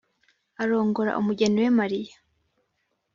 arongora umugeni we mariya